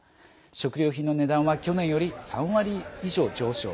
食料品の値段は去年より３割以上上昇。